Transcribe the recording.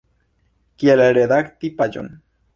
Kiel redakti paĝon.